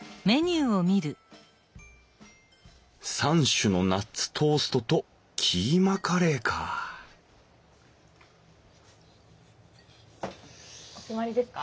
３種のナッツトーストとキーマカレーかお決まりですか？